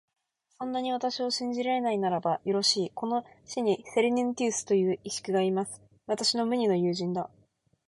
そんなに私を信じられないならば、よろしい、この市にセリヌンティウスという石工がいます。私の無二の友人だ。